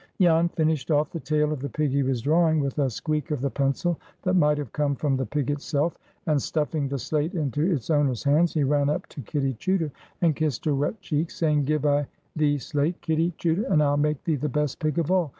Jan finished off the tail of the pig he was drawing with a squeak of the pencil that might have come from the pig itself and, stuffing the slate into its owner's hands, he ran up to Kitty Chuter and kissed her wet cheeks, saying, "Give I thee slate, Kitty Chuter, and I'll make thee the best pig of all.